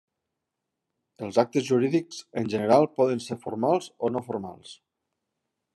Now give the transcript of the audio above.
Els actes jurídics, en general, poden ser formals o no formals.